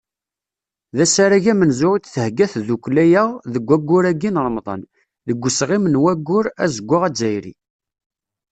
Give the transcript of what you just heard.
D asarag amenzu i d-thegga tddukkla-a deg waggur-agi n Remḍan, deg usɣim n Waggur Azeggaɣ Azzayri.